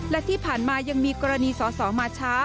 และที่ผ่านมายังมีกรณีสอสอมาช้า